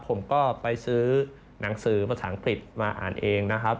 ผมก็ไปซื้อหนังสือภาษาอังกฤษมาอ่านเองนะครับ